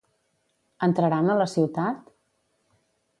Entraran a la ciutat?